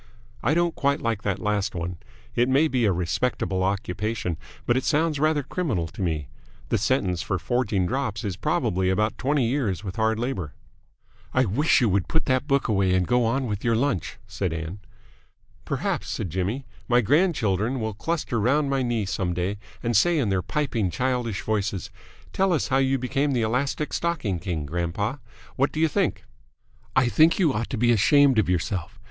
I don't quite like that last one. It may be a respectable occupation, but it sounds rather criminal to me. The sentence for forging drops is probably about twenty years with hard labour." "I wish you would put that book away and go on with your lunch," said Ann. "Perhaps," said Jimmy, "my grandchildren will cluster round my knee some day and say in their piping, childish voices, 'Tell us how you became the Elastic Stocking King, grandpa!' What do you think?" "I think you ought to be ashamed of yourself.